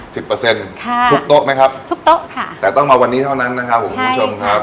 เปอร์เซ็นต์ค่ะทุกโต๊ะไหมครับทุกโต๊ะค่ะแต่ต้องมาวันนี้เท่านั้นนะครับผมคุณผู้ชมครับ